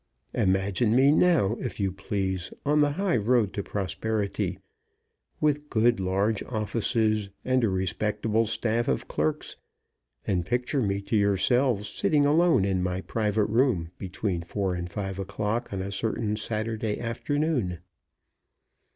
Imagine me now, if you please, on the high road to prosperity, with good large offices and a respectable staff of clerks, and picture me to yourselves sitting alone in my private room between four and five o'clock on a certain Saturday afternoon.